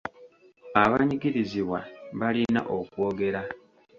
Abanyigirizibwa balina okwogera.